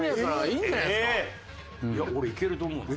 いや俺いけると思うな。